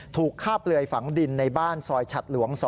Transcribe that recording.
ถูกฆ่าเปลือยฝังดินในบ้านซอยฉัดหลวง๒